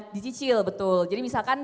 dicicil betul jadi misalkan